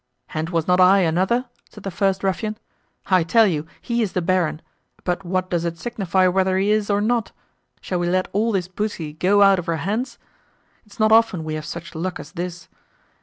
"And was not I another?" said the first ruffian, "I tell you he is the Baron; but what does it signify whether he is or not?—shall we let all this booty go out of our hands? It is not often we have such luck at this.